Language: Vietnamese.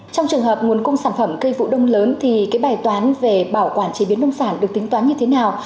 trong trường hợp nguồn cung sản phẩm cây vụ đông lớn thì cái bài toán về bảo quản chế biến nông sản được tính toán như thế nào